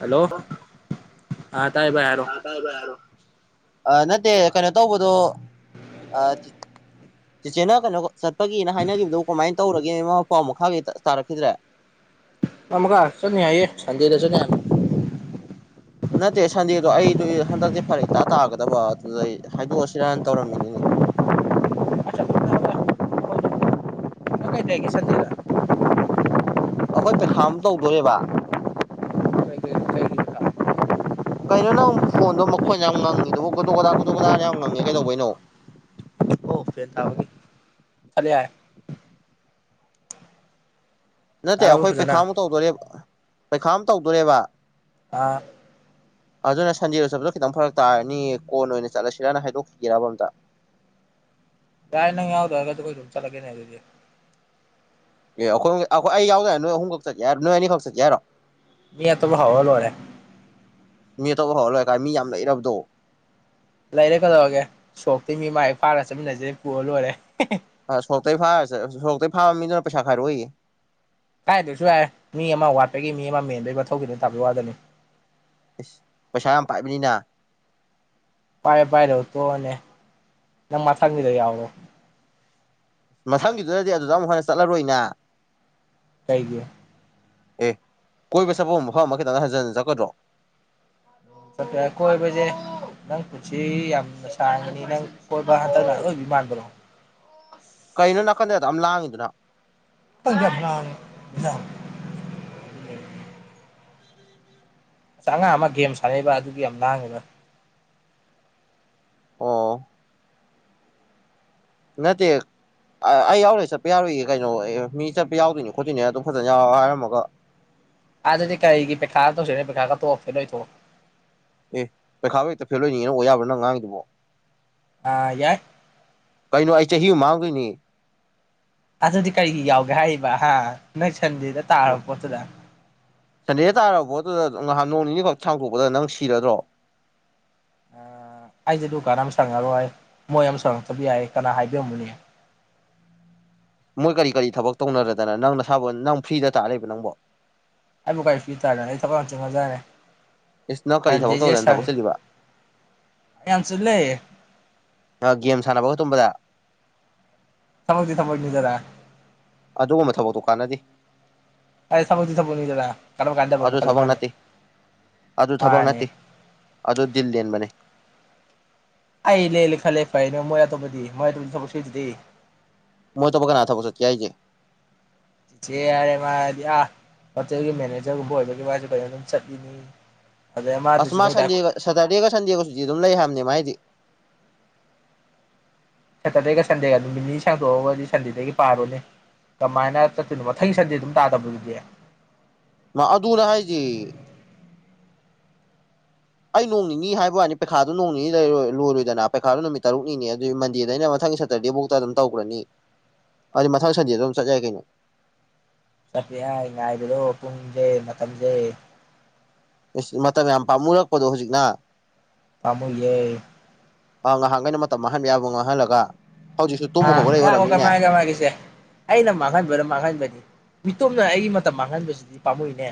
hello ꯑꯥ ꯇꯥꯌꯦꯕ ꯌꯥꯔꯣ ꯇꯥꯏ ꯚꯥꯏ ꯍꯥꯏꯔꯣ ꯑ ꯅꯠꯇꯦ ꯀꯩꯅꯣ ꯇꯧꯕꯗꯣ ꯆꯤꯆꯦꯅ ꯀꯩꯅꯣ ꯆꯠꯄꯒꯤꯅ ꯍꯥꯏꯅꯈꯤꯕꯗꯨ ꯀꯃꯥꯏꯅ ꯇꯧꯔꯒꯦ ꯄꯥꯎ ꯃꯈꯥꯒꯤ ꯇꯥꯔꯛꯈꯤꯗ꯭ꯔꯦ [unintelligible] ꯑꯃꯨꯛ ꯑ ꯆꯟꯅ ꯍꯥꯏꯏꯌꯦ ꯁꯟꯗꯦꯗ ꯆꯅꯤ ꯅꯠꯇꯦ ꯁꯟꯗꯦꯗꯣ ꯑꯩꯗꯨ ꯍꯟꯗꯛꯇꯤ ꯐꯔ ꯏꯇꯥ ꯇꯥꯒꯗꯕ ꯑꯗꯨꯗ ꯍꯥꯏꯗꯣꯛꯑꯁꯤ ꯔꯟ ꯇꯧꯔꯝꯃꯤꯅꯤꯅꯦ [unintelligible] ꯂ ꯀꯩ ꯂꯩꯒꯦ ꯁꯟꯗꯗ ꯑꯩꯈꯣꯏ ꯄꯔꯤꯈꯥ ꯑꯃ ꯇꯧꯗꯣꯣꯔꯦꯕ ꯀꯩꯅꯣ ꯅꯪ ꯐꯣꯟꯗꯣ ꯃꯈꯣꯟꯅ ꯌꯥꯝ ꯉꯪꯉꯤꯗꯨꯕꯨ ꯀꯣꯇꯣ ꯀꯗꯥ ꯀꯣꯇꯣ ꯀꯗꯥꯅ ꯌꯥꯝ ꯉꯪꯉꯦ ꯀꯩꯗꯧꯕꯩꯅꯣ [unintelligible] ꯦ ꯇ ꯆ ꯌꯥ ꯅꯠꯇꯦ ꯇꯥꯔꯕ ꯑꯩꯈꯣꯏ ꯐꯖꯅ ꯄꯩꯈꯥꯃꯨꯛ ꯇꯧꯗꯣꯔꯦꯕ ꯄꯩꯈꯥ ꯑꯃꯨ ꯇꯧꯗꯣꯔꯦꯕ ꯑ ꯑꯗꯨꯅ ꯁꯟꯗꯦꯗ ꯆꯠꯄꯗꯣ ꯈꯤꯇꯪ ꯐꯔꯛ ꯇꯥꯔꯅꯤ ꯀꯣꯟ ꯑꯣꯏꯅ ꯆꯠꯂꯁꯤꯔꯅ ꯍꯥꯏꯗꯣꯛꯈꯤꯒꯦꯕ ꯑꯝꯇ [unintelligible] ꯌꯥꯏꯅ ꯌꯥꯗꯒ ꯀ ꯆꯂꯒꯦꯅꯦ ꯑꯗꯨꯗꯤ ꯑꯦ ꯑꯩꯈꯣꯏ ꯑꯩꯈꯣꯏ ꯑꯩ ꯌꯥꯎꯗ ꯅꯣꯏ ꯑꯍꯨꯝꯈꯛ ꯆꯠꯀꯦ ꯍꯥꯏꯔꯣ ꯅꯣꯏ ꯑꯅꯤꯈꯛ ꯆꯠꯀꯦ ꯍꯥꯏꯔꯣ ꯃꯤ ꯑꯠꯇꯕꯨ ꯍꯥꯎ ꯂꯣꯏꯔꯦ ꯃꯤ ꯑꯇꯣꯞꯄ ꯍꯧꯔ ꯂꯣꯏꯔ ꯀꯥꯏ ꯃꯤ ꯌꯥꯝ ꯂꯩ ꯏꯔꯕꯗꯣ ꯂꯩꯔꯦ ꯀꯗꯧꯔꯒꯦ ꯁꯣꯛꯇ ꯃꯤ ꯃꯥꯏ ꯐꯥꯔ ꯆꯠꯃꯤꯟꯅꯁꯤꯦ ꯄꯨꯔ ꯂꯣꯏꯔꯦ ꯑ ꯁꯣꯛꯇꯩ ꯐꯥꯔꯁꯦ ꯁꯣꯛꯇꯩ ꯐꯥꯕ ꯃꯤꯗꯨꯅ ꯄꯩꯁꯥ ꯈꯔꯨꯏ ꯀꯥꯏꯗꯣꯏꯁꯨ ꯌꯥꯏꯔ ꯃꯤ ꯑꯃ ꯋꯥꯠꯄꯒꯤ ꯃꯤ ꯑꯃ ꯃꯦꯟꯕꯒꯤ ꯃꯊꯧꯒꯤꯗ ꯇꯥꯕ ꯋꯥꯗꯅꯤ ꯏꯁꯁ ꯄꯩꯁꯥ ꯌꯥꯝ ꯄꯥꯛꯕꯅꯤꯅ ꯄꯥꯏ ꯄꯥꯏꯔ ꯎ ꯇꯣꯅꯦ ꯅꯪ ꯃꯊꯪꯕꯤꯗ ꯌꯥꯎꯣ ꯃꯊꯪꯒꯤꯗꯨꯗꯗꯤ ꯑꯗꯨꯗ ꯑꯃꯨꯛ ꯍꯟꯅ ꯆꯠꯂꯔꯣꯏꯅꯦ ꯀꯩꯒꯤ ꯑꯦ ꯀꯣꯏꯕ ꯆꯥꯄ ꯃꯐꯝ ꯑꯃ ꯈꯤꯇꯪ ꯍꯟꯖꯤꯟꯟ ꯆꯠꯀꯗ꯭ꯔꯣ ꯆ ꯑꯩꯣꯏꯕꯖꯦ ꯅꯪ ꯄꯨꯟꯁꯤ ꯌꯥꯝꯅ ꯁꯥꯡꯉꯅꯤ ꯅꯪ ꯀꯣꯏꯕ ꯍꯟꯗꯛ ꯂ ꯂꯣꯏꯕꯤ ꯃꯥꯟꯕ꯭ꯔꯣ ꯀꯩꯅꯣ ꯅꯥꯀꯟꯗꯗ ꯑꯃ ꯂꯥꯡꯉꯤꯗꯨꯅ ꯗ ꯑꯁ ꯑꯉꯥꯡ ꯑꯃ ꯒꯦꯝ ꯁꯥꯟꯅꯩꯕ ꯑꯗꯨꯒꯤ ꯌꯥꯝ ꯂꯥꯡꯉꯤꯕ ꯑ ꯅꯠꯇ ꯑꯩ ꯌꯥꯎꯔꯣꯏꯦ ꯆꯠꯄ ꯌꯥꯔꯣꯏꯏꯌꯦꯦ ꯀꯩꯅꯣ ꯑꯦ ꯃꯤ ꯆꯠꯄ ꯌꯥꯎꯗꯣꯏꯅꯤ ꯈꯣꯠꯇꯣꯏꯅꯤꯅꯦꯅ ꯑꯗꯨꯝ ꯐꯖꯅ ꯌꯥꯎꯔ ꯍꯥꯏꯔꯝꯃꯒ [unintelligible] ꯑꯗꯗꯤ ꯀꯥꯏꯒꯤ ꯄꯩꯈꯥ ꯇꯧꯁꯤ ꯄꯦꯈꯥꯒꯣꯞꯁꯦ ꯅꯣꯏ ꯊ ꯑꯦ ꯄꯩꯈꯥꯕ ꯍꯦꯛꯇ ꯐꯦꯜ ꯑꯣꯏꯅꯤꯡꯉꯤꯅ ꯑꯣ ꯌꯥꯕ꯭ꯔꯥ ꯅꯪ ꯉꯥꯡꯉꯗꯨꯕꯣ ꯑꯥ ꯌꯥꯏ ꯀꯩꯅꯣ ꯑꯩ ꯆꯍꯤ ꯃꯥꯡꯗꯣꯏꯅꯤ ꯑꯗꯨꯗꯤ ꯀꯔꯤ ꯌꯥꯎꯒꯦ ꯍꯥꯏꯔꯤꯕ ꯍꯥ ꯅꯪ ꯁꯟꯗꯦꯗ ꯇꯥꯔꯕ ꯄꯣꯠꯇꯨꯗ ꯁꯟꯗꯦꯗ ꯇꯥꯔꯕꯣ ꯑꯗꯨꯗ ꯉꯍꯥꯟ ꯅꯣꯡ ꯅꯤꯅꯤꯈꯛ ꯁꯥꯡꯗꯣꯛꯄꯗ ꯅꯪ ꯁꯤꯔꯗ꯭ꯔꯣ ꯑ ꯑꯩꯁꯦ ꯗꯨ ꯔ ꯑꯃ ꯁꯪꯉꯔꯣꯏ ꯃꯣꯏ ꯑꯃ ꯁꯪꯉꯛꯇꯕ ꯌꯥꯏ ꯀꯅꯥ ꯍꯥꯏꯕꯤꯔꯝꯃꯅꯦ ꯃꯣꯏ ꯀꯔꯤ ꯀꯔꯤ ꯊꯕꯛ ꯇꯧꯅꯔꯗꯅ ꯅꯪ ꯅꯁꯥꯕꯨ ꯅꯪ ꯐ꯭ꯔꯤꯗ ꯇꯥ ꯂꯩꯦꯕ ꯅꯪꯕꯣ ꯑꯩꯕꯨ ꯀꯥꯏ ꯐꯤ ꯇꯔ ꯑꯩ ꯊ ꯀꯟ ꯆ ꯃꯖꯥ ꯏꯁ ꯅꯪ ꯀꯔꯤ ꯊꯕꯛ ꯁꯗꯦ ꯇꯧꯗꯅ ꯁ ꯊꯕꯛ ꯆꯤꯜꯂꯤꯕ ꯌꯥꯝ ꯆꯂ ꯒꯦꯝ ꯁꯥꯟꯅꯕ ꯇꯨꯝꯕꯗ ꯊꯃꯗꯤ ꯊꯃꯣꯅꯤꯖꯔ ꯑꯗꯨꯒꯨꯝꯕ ꯊꯕꯛꯇꯣ ꯀꯥꯟꯅꯗꯦ ꯑꯦ ꯁꯨꯗꯤ ꯁꯨꯗ ꯀꯔ ꯀꯥꯟꯗꯕ ꯑꯗꯨ ꯃꯈ ꯈꯜꯂ ꯊꯕꯛ ꯃꯥꯅꯦ ꯅꯠꯇꯦ ꯑꯗꯨ ꯊꯕꯛ ꯅꯠꯇꯦ ꯑꯗꯨ ꯗꯤꯜ ꯂꯦꯟꯕꯅꯦ ꯑꯩ ꯂꯩ ꯈꯦ ꯐ ꯃꯣꯏ ꯇꯄꯗꯤ ꯃꯣꯏ ꯊꯛ ꯁꯨꯏꯗꯗꯤ ꯃꯣꯏ ꯇꯣꯕꯥꯈ ꯅꯅꯥ ꯊꯕ ꯆꯀꯤ ꯌꯥꯏꯖꯦ ꯁꯤꯦ ꯌꯥꯔꯦ ꯃꯥꯗꯤꯌꯥ ꯍꯣꯇꯦꯜꯒꯤ ꯃꯦꯅꯦꯖꯔꯒꯨꯝꯕ ꯑꯣꯏꯕꯒꯤ ꯋꯥꯁꯨꯦ ꯐꯖꯅ ꯑꯗꯨꯝ ꯆꯠꯂꯤꯅꯤ ꯑꯗꯩ ꯑꯁ ꯃꯥꯗꯨꯁꯨ ꯃꯥ ꯅꯣꯏꯗ ꯁꯟꯗꯦꯒ ꯁꯦꯇꯔꯗꯦꯒ ꯁꯟꯗꯦꯒꯁꯨꯗꯤ ꯑꯗꯨꯝ ꯂꯩ ꯍꯥꯏꯕꯅꯦ ꯃꯥꯥꯏꯗꯤ ꯁꯦꯇꯔꯗꯦꯒ ꯁꯟꯗꯦꯒ ꯅꯨꯃꯤꯠ ꯅꯤ ꯁꯥꯡꯗꯣꯛꯑꯒꯗꯤ ꯁꯟꯗꯦꯗꯒꯤ ꯄꯥꯔꯣꯅꯦ ꯀꯃꯥꯏꯅ ꯆꯠꯇꯣꯏꯅꯣ ꯃꯊꯪꯒꯤ ꯁꯟꯗꯦ ꯑꯗꯨꯝ ꯇꯥꯗꯕꯒꯤꯗꯤ ꯃꯥ ꯑꯗꯨ ꯔꯦꯖꯤ ꯑꯩ ꯅꯣꯡ ꯅꯤꯅꯤ ꯍꯥꯏꯕ ꯋꯥꯅꯤ ꯄꯩꯈꯥꯣ ꯅꯣꯡ ꯅꯤ ꯂꯩꯔꯣꯏ ꯂꯣꯏꯔꯣꯏꯗꯅ ꯄꯩꯈꯥꯗꯨꯣ ꯅꯨꯃꯤꯠ ꯇꯔꯨꯛꯅꯤ ꯑꯗꯨꯏ ꯃꯟꯗꯩꯅ ꯃꯊꯪ ꯃꯊꯪ ꯁꯦꯇꯔꯗꯦꯐꯧꯗ ꯑꯗꯨꯝ ꯇꯧꯈ꯭ꯔꯅꯤ ꯑꯗꯨꯗꯤ ꯃꯊꯪ ꯁꯟꯗꯦꯗ ꯑꯗꯨꯝ ꯆꯠꯆꯔꯦ ꯀꯩꯅꯣ ꯆꯐ꯭ꯌꯥ ꯉꯥꯏꯕꯤꯔꯣ ꯄꯨꯡꯁꯦ ꯃꯇꯝꯁꯦ ꯏꯁ ꯃꯇꯝ ꯌꯥꯝ ꯄꯥꯝꯃꯨꯔꯛꯄꯗꯣ ꯍꯧꯖꯤꯛꯅ ꯇꯥꯃꯣꯏꯏ ꯑꯥ ꯉꯍꯥꯟꯈꯩꯅ ꯃꯇꯝ ꯃꯥꯡꯍꯟꯕ ꯌꯥꯕ ꯉꯥꯡꯍꯜꯂꯒ ꯑꯥ ꯌꯥꯉꯣ ꯀꯃꯥꯏ ꯀꯃꯥꯏꯒꯤꯁꯦ ꯑꯩꯅ ꯃꯥꯡꯍꯟꯕꯅꯣ ꯃꯥꯡꯍꯟꯕꯅꯤ ꯃꯤꯇꯣꯝꯅ ꯑꯩꯒꯤ ꯃꯇꯝ ꯃꯥꯡꯍꯟꯕꯁꯤꯗꯤ ꯄꯥꯝꯃꯨꯏꯅꯦ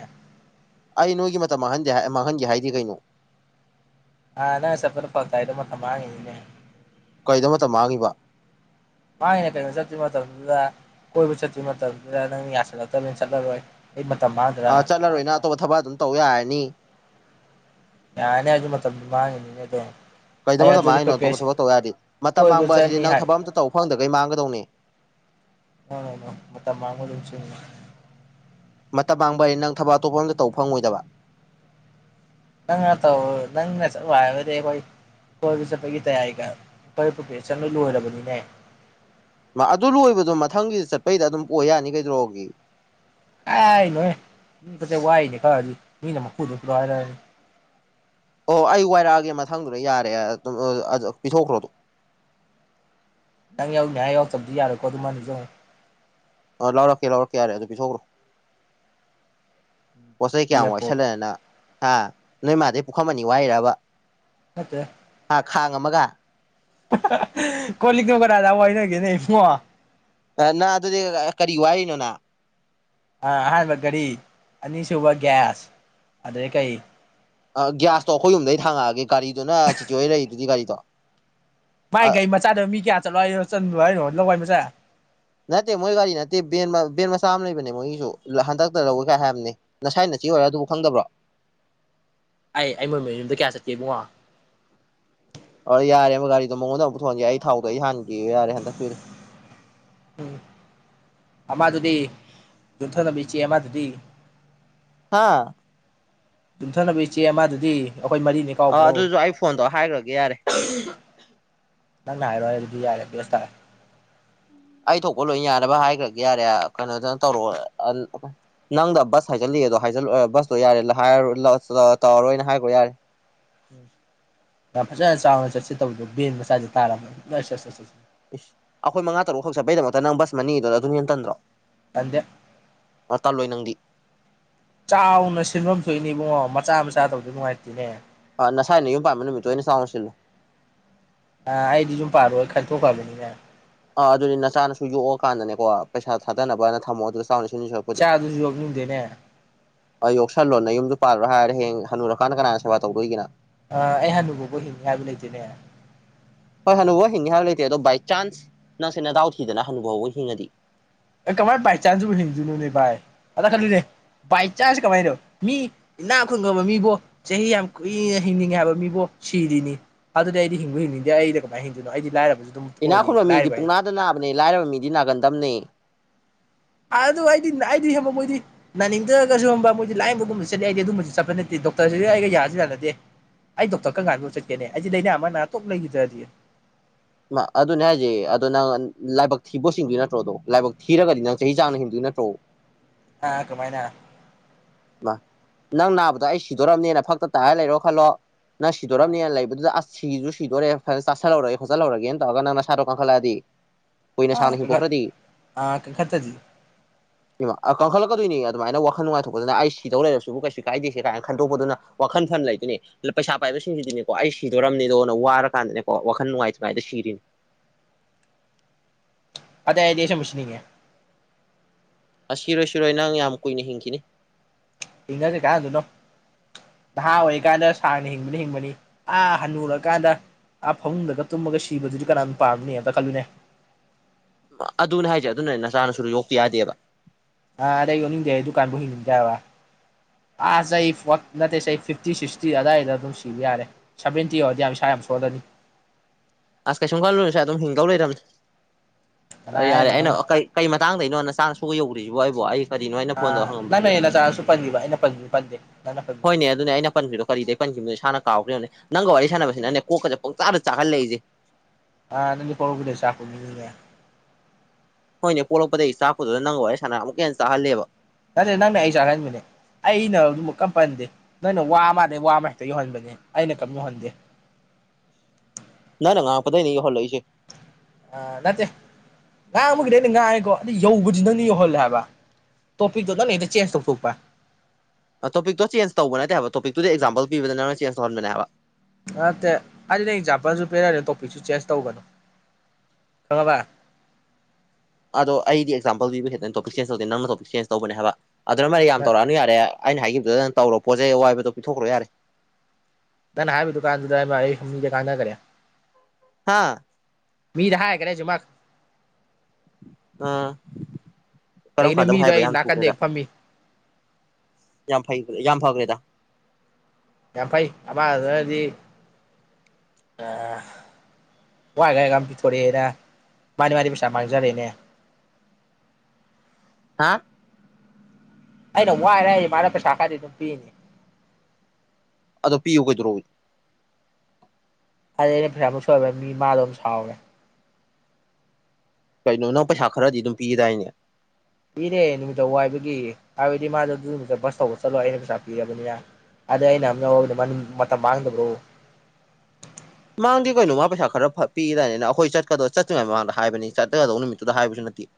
ꯑꯩ ꯅꯣꯏꯒꯤ ꯃꯇꯝ ꯃꯥꯡꯍꯟꯦ ꯃꯥꯡꯍꯟꯒꯦ ꯍꯥꯏꯗꯤ ꯀꯩꯅꯣ ꯑ ꯅ ꯁꯄꯅ ꯐꯗ ꯃꯊ ꯃꯥꯥꯡꯉꯤꯅꯤꯅꯦ ꯀꯩꯗ ꯃꯇꯝ ꯃꯥꯡꯉꯤꯕ ꯃꯥꯉꯅ ꯀꯩ ꯆꯠꯇꯤ ꯃꯥ ꯇꯧꯔꯗ ꯀꯣꯏꯕꯨ ꯆꯃ ꯇꯁ ꯆꯠꯂꯣꯏ ꯑ ꯆꯠꯂꯔꯣꯏꯅ ꯑꯇꯣꯞꯄ ꯊꯕꯛ ꯑꯗꯨꯝ ꯇꯧ ꯌꯥꯔꯅꯤ ꯌꯥꯅꯦꯦ ꯑꯗꯨꯃ ꯃꯇꯝꯃꯥꯡꯉꯅꯤ ꯀꯩꯗꯧ ꯃꯇꯝ ꯃ ꯍꯥꯏꯅꯣ ꯑꯇꯣꯞꯄ ꯊꯕꯛ ꯇꯧ ꯌꯥ ꯍꯥꯏꯔꯗꯤ ꯃꯇꯝ ꯀꯣꯏꯕ ꯃꯥꯡꯕ ꯍꯥꯏꯁꯤꯗꯤ ꯆꯠꯅꯤ ꯅꯪ ꯍꯥꯏ ꯊꯕꯛ ꯑꯝꯇ ꯇꯧꯕ ꯐꯪꯗ ꯀꯩ ꯃꯥꯡꯒꯗꯧꯅꯤ [unintelligible] ꯑ ꯃ ꯃꯥꯡ ꯏꯟꯁꯤ ꯃꯇꯝ ꯃꯥꯡꯕ ꯍꯥꯏ ꯅꯪ ꯊꯕꯛ ꯑꯇꯣꯞꯄ ꯑꯝꯗ ꯇꯧ ꯐꯪꯉꯣꯏꯗꯕ ꯅꯉ ꯇꯣ ꯆꯔ ꯀꯣꯏꯕ ꯆꯠꯄꯒꯤ ꯇꯌꯥꯒꯦ ꯆꯟꯂ ꯂꯣꯏꯔꯕꯅꯤꯅꯦ ꯑꯗꯨ ꯂꯣꯏꯕꯗꯣ ꯃꯊꯪꯒꯤ ꯆꯠꯄꯩꯗ ꯑꯗꯨꯝ ꯑꯣꯏ ꯌꯥꯅꯤ ꯀꯩꯗ꯭ꯔꯣꯒꯤ ꯀꯥꯏ ꯅꯣꯏ ꯃꯤ ꯀ ꯋꯥꯏꯅꯦ ꯀꯗꯤ ꯃꯤꯅ ꯃꯈꯨꯗꯣ꯭ꯔꯣ ꯍꯥꯏꯔꯅꯤ ꯑꯣ ꯑꯩꯌꯨ ꯋꯥꯔꯒꯦ ꯃ ꯁꯪꯗꯨꯅ ꯌꯥꯔꯦ ꯑꯗꯨꯝ ꯄꯤꯊꯣꯛꯈ꯭ꯔꯣ ꯑꯗꯨꯝ ꯅꯪ ꯌꯥꯎꯅꯤ ꯍꯥꯏ ꯌꯥꯎꯛꯇꯕꯗꯤ ꯌꯥꯔꯦꯀꯣ ꯑꯗꯨꯝ ꯃꯥꯅꯤꯁꯨ ꯑ ꯂꯧꯔꯛꯀꯦ ꯂꯧꯔꯛꯀꯦ ꯌꯥꯔꯦ ꯑꯗꯨ ꯄꯤꯊꯣꯛꯈ꯭ꯔꯣ ꯄꯣꯠ ꯆꯩ ꯀꯌꯥꯝꯃꯨꯛ ꯄꯤꯔꯛꯄ ꯋꯥꯏꯁꯜꯂꯅ ꯑꯥ ꯅꯣꯏ ꯃꯥꯗꯩ ꯄꯨꯈꯝ ꯑꯅꯤ ꯋꯥꯏꯔꯕ ꯃꯠꯇꯦ ꯍꯥ ꯈꯥꯡ ꯑꯃꯒ ꯀꯣꯂꯤꯛ ꯅꯒꯔꯥꯗ ꯋꯥꯏꯅ ꯀ ꯅ ꯃ ꯅꯅꯥ ꯑꯗꯨꯗꯤ ꯀꯔꯤ ꯋꯥꯅꯣꯅꯥ ꯑꯍꯥꯟꯕ ꯒꯥꯔꯤ ꯑꯅꯤꯁꯨꯕ ꯒ꯭ꯌꯥꯁ ꯑꯩ ꯀꯩ ꯑ ꯒꯤ꯭ꯌꯥꯁꯇꯣ ꯑꯩꯈꯣꯏ ꯌꯨꯝꯗꯩ ꯊꯥꯡꯉꯛꯑꯒꯦ ꯒꯥꯗꯨꯅ ꯁꯤꯤꯆꯤꯋꯦ ꯂꯩꯔꯤꯗꯨꯗꯤ ꯒꯥꯔꯤꯗꯣ ꯃꯥꯏ ꯒꯥꯔꯤ ꯃꯆꯥꯗ ꯃꯤ ꯀꯌꯥ ꯆꯠꯂꯣ ꯍꯥꯏꯔꯣ ꯆꯟꯂꯣ ꯍꯥꯏꯔꯣ ꯂꯋꯥꯏ ꯃꯆꯥ ꯅꯅꯥꯠꯇ ꯃꯣꯏ ꯋꯥꯔꯤ ꯋꯥꯔꯤ ꯅꯅꯥꯦꯟ ꯃꯥ ꯁ ꯁꯥꯝ ꯂꯩꯅꯦ ꯃꯣꯏꯒꯤꯁꯨ ꯍꯟꯗꯛꯇ ꯂꯧꯋꯦ ꯀꯥꯏ ꯍꯥꯏꯕꯅꯤ ꯉꯁꯥꯏ ꯅꯆ ꯑꯣꯏꯔꯣ ꯑꯗꯨꯕꯨ ꯈꯪꯗꯕ꯭ꯔꯣ ꯑꯩ ꯑꯩ ꯃꯣꯏ ꯃ ꯌꯨꯝꯗ ꯀꯌꯥ ꯆꯠꯀꯦ ꯏꯕꯨꯡꯉꯣ ꯍ ꯌꯥꯔꯦꯕ ꯒꯥꯔꯤꯗꯣ ꯃꯉꯣꯟꯗ ꯑꯃꯨꯛꯊꯍꯟꯒꯦ ꯑꯩ ꯊꯥꯎꯗꯣ ꯑꯩ ꯍꯥꯟꯈꯤꯕ ꯌꯥꯔꯦ ꯍꯟꯗꯛꯄꯤꯗꯣ ꯎꯝ ꯑꯃꯗꯨꯗꯤ ꯌꯟꯊꯅꯕꯕꯤ ꯆꯦ ꯑꯃꯗꯨꯗꯤ ꯑꯥ ꯌꯨꯝꯊꯅꯕ ꯏꯆꯦ ꯃꯥꯗꯨꯗꯤ ꯑꯥ ꯑꯗꯨꯁꯨ ꯑꯩ ꯐꯣꯟꯗꯣ ꯍꯥꯏꯈ꯭ꯔꯒꯦ ꯌꯥꯔꯦ ꯅꯪ ꯍꯥꯏꯔꯣ ꯑꯗꯨꯗꯤ ꯌꯥꯔꯦ ꯁ ꯇꯔꯦ ꯑꯩ ꯊꯣꯛꯄ ꯂꯣꯏ ꯌꯥꯅꯕ ꯍꯥꯏꯈ꯭ꯔꯒꯦ ꯌꯥꯔꯦ ꯀꯩꯅꯣꯗꯅ ꯇꯧꯔꯣ ꯅꯪꯗ ꯕꯁ ꯍꯥꯏꯖꯤꯜꯂꯤ ꯗꯣ ꯍꯥꯏꯖꯜꯂꯛꯑꯣ ꯕꯁꯇꯣ ꯌꯥꯔꯦ ꯇꯧꯔꯔꯣꯏꯅ ꯍꯥꯏꯈ꯭ꯔꯣ ꯌꯥꯔꯦ ꯎ ꯐꯖꯅ ꯆꯥꯎꯅ ꯆꯠꯁꯤ ꯇꯧꯗꯣ ꯕꯦꯟ ꯃꯆꯥꯁꯦ ꯇꯥꯔꯝ ꯆꯠ ꯆꯠ ꯆꯠꯦ ꯏꯁ ꯑꯩꯈꯣꯏ ꯃꯉꯥ ꯇꯔꯨꯛ ꯈꯛ ꯆꯠꯄꯩꯗꯃꯛꯇ ꯅ ꯁ ꯃꯅꯤꯗꯨꯗ ꯑꯗꯨꯅ ꯌꯦꯟꯇꯟꯗ꯭ꯔꯣ ꯑꯗ ꯇꯥꯜꯂꯣꯏ ꯅꯪꯗꯤ ꯆꯥꯎꯅ ꯁꯤꯟꯐꯝ ꯊꯣꯛꯏꯅꯤ ꯏꯕꯨꯡꯉꯣ ꯃꯆꯥ ꯃꯆꯥ ꯇꯧꯗꯤ ꯅꯨꯡꯉꯥꯏꯇꯦꯅꯦ ꯑꯥ ꯉꯁꯥꯏ ꯑꯩꯅ ꯌꯨꯝ ꯄꯥꯟꯕꯝꯕ ꯅꯨꯃꯤꯠꯇꯣ ꯑꯣꯏꯅ ꯆꯥꯎꯥꯡꯉ ꯁꯤꯜꯂꯨ ꯑ ꯑꯩꯗꯤ ꯁꯨꯝ ꯄꯥꯔꯣꯏ ꯈꯟꯇꯣꯛꯈꯕꯅꯤꯅ ꯑꯥ ꯑꯗꯨꯅꯤ ꯅꯆꯥꯅꯁꯨ ꯌꯣꯛꯑꯀꯥꯟꯗꯅꯦꯀꯣ ꯄꯩꯁꯥ ꯊꯥꯗꯅꯕꯅ ꯊꯝꯃꯣꯑꯣ ꯑꯗꯨ ꯆꯥ ꯑꯗꯨꯁꯨ ꯌꯣꯛꯒꯅꯤꯗꯅꯦ ꯑꯩ ꯌꯣꯛꯁꯟꯂꯣꯅ ꯌꯨꯝꯗꯨ ꯄꯥꯜꯂꯣ ꯍꯥꯏꯔꯦ ꯍꯡ ꯍꯜꯂꯨꯔꯀꯥꯟꯗ ꯀꯅꯥꯅ ꯁꯦꯕꯥ ꯇꯧꯗꯣꯏꯦꯅ ꯑ ꯑꯩ ꯍꯥꯟꯅꯨꯕꯕꯣ ꯍꯤꯡ ꯍꯥꯏꯕ ꯂꯩꯇꯦꯅꯦ ꯍꯣꯏ ꯍꯅꯨꯐꯥꯎ ꯍꯤꯡꯉꯦ ꯍꯥꯏꯕ ꯂꯩꯇꯦ ꯑꯗꯣ ꯕꯥꯏ ꯆꯥꯟꯁ ꯅꯪꯁꯦꯅ ꯗꯥꯎ ꯊꯤꯗꯅ ꯍꯅꯨꯐꯥꯎꯕ ꯍꯤꯡꯉꯗꯤ ꯑꯦ ꯀꯃꯥꯏꯅ ꯕꯥꯏ ꯆꯥꯟꯁꯁꯤꯕꯨ ꯍꯤꯡꯗꯨꯨꯅꯨꯅꯦ ꯚꯥꯏ ꯑꯗ ꯈꯂꯨꯅꯦ ꯕꯥꯏ ꯆꯥꯟꯁ ꯀꯃꯥꯏꯅꯣ ꯃꯤ ꯏꯅꯥꯛ ꯈꯨꯪꯉꯕ ꯃꯤꯕꯨꯣ ꯆꯍꯤ ꯌꯥꯝ ꯀꯨꯏꯅ ꯍꯤꯡꯅꯤꯡꯉꯦ ꯍꯥꯏꯕ ꯃꯤꯕꯨꯣ ꯁꯤꯔꯤꯅꯤ ꯑꯗꯨꯗꯤ ꯑꯩꯗꯤ ꯍꯤꯡꯕ ꯍꯤꯡꯅꯤꯡꯗꯦ ꯑꯩꯗꯤ ꯀꯃꯥꯏꯅ ꯍꯤꯡꯗꯣꯏꯅꯣ ꯑꯩꯗꯤ ꯂꯥꯏꯔꯕ ꯑꯗꯨꯝ ꯏꯅꯥꯛ ꯑꯣꯏꯔꯤ ꯈꯨꯨꯟꯕ ꯃꯤꯗꯤ ꯑꯩ ꯄꯨꯡꯅꯥꯗ ꯅꯥꯕꯅꯤ ꯂꯥꯏꯔꯕ ꯃꯤꯗꯤ ꯅꯥꯒꯟꯗꯝꯝꯅꯤ ꯑ ꯑꯗꯨꯗꯣ ꯑꯩꯗꯤ ꯑꯩꯗꯤ ꯍꯕ ꯃꯣꯏꯗꯤ ꯅꯥꯅꯤꯡꯗ꯭ꯔꯒꯁꯨ ꯍꯕ ꯃꯣꯏꯗꯤ ꯂꯥꯏꯌꯦꯡꯕꯒꯨꯝꯕ ꯆꯠꯂꯤ ꯑꯩꯗꯤ ꯑꯗꯨꯝꯕꯁꯨ ꯆꯠꯄ ꯅꯠꯇꯦ ꯗꯣꯛꯇꯔꯁꯤꯗꯤ ꯑꯩꯒ ꯌꯥꯁꯤ ꯌꯥꯥꯟꯅꯗꯦ ꯑꯩ ꯗꯣꯛꯇꯔ ꯀꯔ ꯍꯥꯟꯕ ꯆꯠꯀꯦꯅꯦ ꯑꯩꯁ ꯂꯥꯏꯅꯥ ꯑꯃꯅꯇꯣꯛꯞ ꯂꯩꯈꯤꯗ꯭ꯔꯗꯤ ꯑꯗꯨꯅꯦ ꯍꯥꯏꯁꯦ ꯑꯗꯣ ꯅꯪ ꯂꯥꯏꯕꯛ ꯊꯤꯕ ꯍꯁꯤꯡꯗꯣꯏ ꯅꯠꯇ꯭ꯔꯣꯗꯣ ꯂꯥꯏꯕꯛ ꯊꯤꯔꯒꯗꯤ ꯅꯪ ꯆꯍꯤ ꯆꯥꯡꯅ ꯍꯤꯡꯗꯣꯏ ꯅꯠꯇ꯭ꯔꯣ ꯑꯥ ꯀꯃꯥꯏꯅꯥ ꯅꯪ ꯅꯥꯕꯗꯣ ꯑꯩ ꯁꯤꯗꯣꯔꯝꯅꯦꯅ ꯐꯛꯇ ꯇꯥꯔ ꯂꯩꯔꯣ ꯈꯜꯂꯣ ꯅꯥ ꯁꯤꯗꯣꯔꯝꯅꯦ ꯂꯩꯕꯗꯨ ꯑ ꯁꯤꯁꯨ ꯁꯤꯗꯣꯔꯦ ꯐꯖꯅ ꯆꯥꯁꯤꯜꯍꯧꯔꯒꯦꯣꯠꯜꯍꯧꯒꯦ ꯇꯧꯒ ꯅꯪꯅ ꯁꯥꯔꯣ ꯀ ꯀꯥꯡꯈꯠꯂꯛꯑꯗꯤ ꯑꯥ ꯀ ꯑꯥ ꯀ ꯈꯠꯇꯖꯤ ꯏꯃꯥ ꯀꯪꯈꯠꯂꯛꯀꯗꯣꯏꯅꯤ ꯑꯗꯨꯃꯥꯏꯅ ꯋꯥꯈꯜ ꯅꯨꯡꯉꯥꯏꯊꯣꯛ ꯑꯗꯨꯅ ꯑꯩ ꯁꯤꯗꯧ ꯂꯩꯔꯔꯕꯁꯨꯕꯨ ꯀꯩꯁꯨ ꯀꯥꯏꯗꯦꯁꯦ ꯀꯥꯏꯅ ꯈꯟꯗꯣꯛꯄꯗꯨꯅ ꯋꯥꯈꯜꯐꯝ ꯂꯩꯗꯨꯅꯤ ꯄꯩꯁꯥ ꯄꯥꯏꯕꯁꯤꯡꯁꯤꯗꯤꯅꯤꯀꯣ ꯑꯩ ꯁꯤꯗꯣꯔꯝꯅꯤꯗꯅ ꯋꯥꯔꯀꯥꯟꯗꯅꯦꯀꯣ ꯋꯥꯈꯜ ꯅꯨꯡꯉꯥꯏꯇꯉꯥꯏꯗ ꯁꯤꯔꯤꯅꯤ [inaudible] ꯑꯗ ꯑꯦꯗꯤꯁꯝ ꯃꯁꯂꯤꯉꯦ ꯑꯁꯤ ꯁꯤꯔꯣꯏ ꯁꯤꯔꯣꯏ ꯅꯪ ꯌꯥꯝ ꯀꯨꯏꯅ ꯍꯤꯡꯈꯤꯅꯤ ꯏꯖꯁꯦ ꯀꯥꯏꯟ ꯑꯗꯨꯣ ꯅꯣ ꯅꯍꯥ ꯑꯣꯏꯔꯤꯀꯥꯟꯗ ꯁꯥꯡꯅ ꯍꯤꯡꯕꯅ ꯍꯤꯡꯕꯅꯤ ꯑꯥ ꯍꯟꯅꯨꯔꯀꯥꯟꯗ ꯑꯥ ꯐꯃꯨꯡꯗꯒ ꯇꯨꯝꯃꯒ ꯁꯤꯕꯗꯨꯗꯤ ꯀꯅꯥꯅ ꯄꯥꯝꯅꯤ ꯑꯝꯇ ꯈꯜꯂꯨꯅꯦ ꯑꯗꯨꯅꯦ ꯍꯥꯏꯁꯦ ꯑꯗꯨꯅ ꯅꯆꯥꯅꯁꯨ ꯌꯣꯛꯄ ꯌꯥꯗꯦꯕ ꯑꯥ ꯑꯗꯩ ꯌꯅꯤꯡꯗ ꯗꯨꯀꯥꯟꯕꯨ ꯍꯤꯡꯅꯤꯡꯖꯕ ꯑꯥ ꯁ ꯅꯠꯇꯦ ꯁ ꯐꯤꯐꯇꯤ ꯁꯤꯛꯁꯇꯤ ꯑꯗꯨꯋꯥꯏꯗ ꯑꯗꯨꯝ ꯁꯤꯕ ꯌꯥꯔꯦ ꯁꯤꯗꯤ ꯌꯥꯝ ꯁꯣꯗꯅꯤ ꯑꯁ ꯀꯩꯁꯨꯝ ꯈꯜꯂꯨꯔꯁꯨ ꯑꯗꯨꯝ ꯍꯤꯡꯒꯧ ꯂꯩꯔꯕꯝꯅꯦ ꯀꯅꯥ ꯌꯥꯔꯦ ꯍꯥꯏꯅꯣ ꯑꯩꯅ ꯅꯪ ꯀꯩ ꯀꯩ ꯃꯇꯥꯡꯗꯩꯅꯣ ꯅ ꯆꯥꯡꯅ ꯁꯨꯕ ꯌꯧꯗ꯭ꯔꯤꯁꯤꯕꯣ ꯑꯩꯕꯣ ꯑꯩ ꯀꯔꯤꯅꯣ ꯑꯩꯅ ꯐꯣꯟꯗꯣ ꯑꯥ ꯍꯪꯉꯝꯕꯗꯨ ꯅꯪꯅ ꯍꯦꯟꯅ ꯆꯥꯔꯁꯨ ꯄꯟꯈꯤꯕ ꯑꯩꯅ ꯄꯟꯕꯗꯤ ꯄꯟꯗꯦ ꯅꯪꯅ ꯄꯟꯕꯅꯦ ꯍꯣꯏꯅꯦ ꯑꯗꯨꯅꯦ ꯑꯩꯅ ꯄꯟꯕꯗꯣ ꯀꯔꯤꯗꯩ ꯏꯁꯥꯟꯅ ꯀꯥꯎꯈ꯭ꯔꯕꯅꯦ ꯅꯪꯒ ꯋꯥꯔꯤ ꯁꯥꯟꯅꯕꯁꯤ ꯅꯪꯅꯦ ꯀꯣꯛꯀ ꯆ ꯄ ꯆꯥꯗ ꯆꯥꯛꯍꯜꯂꯛꯏꯁꯦ ꯑ ꯑꯗꯤ ꯀꯒꯂ ꯆ ꯅꯣꯏꯅꯦ ꯄꯣꯛꯂꯛꯄꯗꯒꯤ ꯆꯥꯛꯄꯗꯨꯗ ꯅꯪꯉ ꯑꯩ ꯁꯥꯟꯅꯥ ꯑꯃꯨꯛꯀ ꯍꯟꯅ ꯆꯥꯍꯜꯂꯦꯕ ꯅꯔꯦ ꯅꯪꯅꯦ ꯑꯩ ꯆꯔꯥꯏ ꯃꯤꯅꯦ ꯑꯩꯅ ꯑꯗꯨꯃꯛ ꯀꯔ ꯄꯟꯗꯦ ꯅꯣꯏꯅ ꯋꯥ ꯑꯃꯗꯩ ꯋꯥ ꯑꯃ ꯍꯦꯛꯇ ꯌꯧꯍꯟꯕꯅꯤ ꯑꯩꯅ ꯀꯝ ꯌꯧꯍꯟꯗꯦ [unintelligible] ꯅ ꯅꯪ ꯉ ꯀꯗ ꯅ ꯍꯜꯂꯏꯁꯦ ꯑ ꯅꯠꯇꯦ ꯉꯥꯡ ꯑꯃꯒꯤꯗꯤ ꯑꯩꯅ ꯉꯥꯡꯉꯀꯣ ꯑꯗꯨ ꯌꯧꯕꯁꯤ ꯅꯪꯅ ꯌꯧꯍꯜꯂꯦ ꯍꯥꯏꯕ ꯇꯣꯄꯤꯤꯗ ꯅꯣꯏ ꯆꯦꯟꯖ ꯇꯧ ꯇꯣꯛꯄ ꯇꯣꯄꯤꯛꯇꯣ ꯆꯦꯟꯖ ꯇꯧꯕ ꯅꯠꯇꯦꯕ ꯇꯣꯄꯤꯛꯇꯨꯗ ꯑꯦꯛꯖꯥꯝꯜ ꯄꯤꯕꯗ ꯅꯪꯅ ꯆꯦꯟꯖ ꯇꯧꯍꯟꯕꯅꯦꯕ ꯅꯠꯇꯦ ꯑꯩꯅ ꯑꯦꯛꯖꯥꯝꯄꯜꯁꯨ ꯄꯤꯔꯔꯦ ꯇꯣꯄꯤꯛꯁꯨ ꯆꯦꯟꯖ ꯇꯧꯕꯅꯣ ꯀꯉꯕꯥ ꯑꯗꯣ ꯑꯩꯗꯤ ꯑꯦꯛꯖꯥꯝꯄꯜ ꯄꯤꯕ ꯈꯈꯤꯠꯇꯪ ꯇꯣꯄꯤꯛ ꯆꯦꯟꯖ ꯇꯧꯗꯦ ꯅꯪꯅ ꯇꯣꯄꯤꯛ ꯆꯦꯟꯖ ꯇꯧꯕꯅꯦꯕ ꯑꯗꯨꯅ ꯃꯔꯗꯤ ꯌꯥꯝꯧꯛꯑꯅ ꯌꯥꯔꯦ ꯑꯩꯅ ꯍꯥꯏꯈꯤꯕꯗꯨꯗ ꯇꯧꯔꯣ ꯄꯣꯠꯆꯩ ꯑꯋꯥꯏꯕꯗꯣ ꯄꯤꯊꯣꯛꯈ꯭ꯔꯣ ꯌꯥꯔꯦ ꯅ ꯅ ꯍꯥꯏꯗꯨ ꯀꯥꯟꯀꯥꯟ ꯅ ꯀꯦ ꯍꯥꯥ ꯃꯤꯗꯍꯦ ꯀꯔꯦꯆꯦ ꯃꯥꯒ ꯑꯥ ꯀꯔꯝ ꯀꯩꯒꯤꯅꯣ ꯀꯥꯟꯗꯕꯨ ꯃꯤꯗꯣ ꯍꯥꯏꯕ ꯑꯩ ꯌꯥꯝ ꯅꯥꯀꯟꯗ ꯊꯨꯑꯦꯗ ꯍꯦꯛ ꯐꯝꯃꯤ ꯌꯥꯝ ꯐꯩ ꯌꯥꯝ ꯐꯕ꯭ꯔꯦꯗ ꯌꯥꯝ ꯐꯩ ꯑꯃ ꯑꯗꯨꯗꯤ ꯑ ꯋꯥꯥꯏꯒꯥꯏꯒ ꯑꯃ ꯄꯤꯣꯔꯩꯅ ꯃꯥꯅꯤ ꯃꯥꯅꯤ ꯄꯁꯥ ꯃꯥꯡꯖꯔꯦꯅꯦ ꯍꯥ ꯑꯩꯅ ꯋꯥꯔꯦ ꯑꯩ ꯃꯥꯅ ꯄꯩꯁꯥ ꯈꯗꯤ ꯑꯗꯨꯝ ꯄꯤꯅꯤ ꯄꯤꯨꯒꯖ ꯔꯣꯎ ꯑꯗꯤ ꯑꯩꯅ ꯄꯩꯁꯥ ꯑꯃꯨꯛ ꯁꯣꯏꯕ ꯃꯤ ꯃꯥꯗꯣ ꯑꯃꯝ ꯁꯥꯎꯔꯦ ꯀꯩꯅꯣ ꯄꯩꯁꯥ ꯈꯔꯖꯤ ꯑꯗꯨꯝ ꯄꯤꯔꯏꯅꯦ ꯏꯔꯦ ꯅꯨꯃꯤꯠꯇ ꯋꯥꯏꯕꯒꯤ ꯍꯥꯏꯕꯗꯤ ꯃꯥꯗꯣ ꯑꯗꯨ ꯅꯨꯃꯤꯠꯇ ꯕꯁ ꯇꯧꯕ ꯆꯠꯂꯣ ꯑꯩꯅ ꯄꯩꯁꯥ ꯄꯤꯔꯕꯅꯤꯅ ꯑꯗꯨꯗ ꯑꯩꯅ ꯑꯝꯅꯕꯗ ꯃꯇꯝ ꯃꯥꯡꯗꯕ꯭ꯔꯣ [unintelligible] ꯃꯥꯡꯗꯤ ꯀꯩꯅꯣ ꯃꯥ ꯄꯩꯁꯥ ꯈꯔ ꯄꯤꯗꯥꯏꯅꯤꯅ ꯑꯩꯈꯣꯏ ꯆꯠꯀꯗ ꯆꯠꯇ꯭ꯔꯤꯉꯩ ꯃꯃꯥꯡꯗ ꯍꯥꯏꯕꯅꯤ ꯆꯠꯀꯒꯗꯧꯕ ꯅꯨꯃꯤꯠꯇꯨꯗ ꯍꯥꯏꯕꯁꯨ ꯅꯠꯇꯦ ꯎ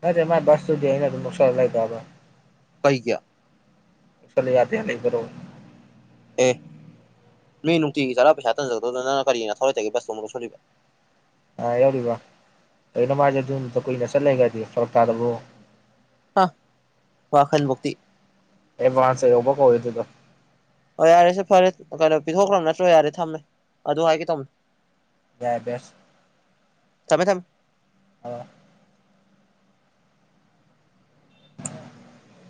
ꯅꯆꯦ ꯃꯥꯥꯏ ꯁꯁꯨꯗꯤꯅ ꯅꯨꯁꯥ ꯂꯥꯛꯗꯕ ꯀꯩꯒꯤ ꯆ ꯂꯩ ꯌꯥꯗ ꯌꯥ ꯂꯩ ꯐꯣ ꯑ ꯃꯤ ꯅꯨꯡꯇꯒꯤ ꯆꯥꯔꯥ ꯄꯩꯁꯥ ꯊꯖ ꯅꯪꯅ ꯀꯔꯤꯅꯦꯁ ꯇ ꯑꯥ ꯌꯥꯎꯔꯤꯕ ꯀꯩꯅꯣ ꯃꯥꯁꯦ ꯑꯗꯨꯗ ꯀꯨꯏꯅ ꯆꯠꯂꯦꯒꯗꯤ ꯐꯔꯛ ꯇꯥꯗꯕ ꯑ ꯋꯥꯍꯟ ꯃꯨꯛꯇꯤ ꯑꯦꯚꯥꯟꯁꯕ ꯀꯣꯏꯠꯇꯗꯣ ꯑꯣ ꯌꯥꯔꯦꯁ ꯐꯔꯦ ꯀꯩꯅꯣ ꯄꯤꯊꯣꯛꯈ꯭ꯔꯕ ꯅꯠꯇ꯭ꯔꯣ ꯌꯥꯔꯦ ꯊꯝꯃꯦ ꯑꯗꯨ ꯍꯥꯏꯒꯦ ꯇꯧꯅꯤ ꯦ ꯕꯦꯁ ꯊꯝꯃꯦ ꯊꯝꯃꯦ ꯑ [unintelligible]